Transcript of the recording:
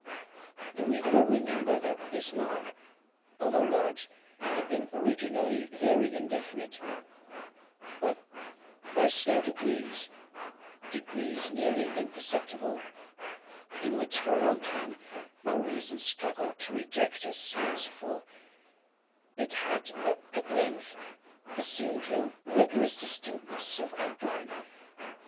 The reader will remember that this mark, although large, had been originally very indefinite; but, by slow degrees—degrees nearly imperceptible, and which for a long time my reason struggled to reject as fanciful—it had, at length, assumed a rigorous distinctness of outline.